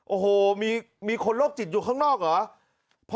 โอ้โหมีคนโรคจิตอยู่ข้างนอกเหรอ